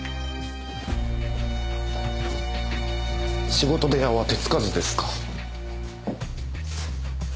仕事部屋は手つかずですか。